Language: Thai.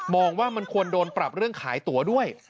องว่ามันควรโดนปรับเรื่องขายตั๋วด้วย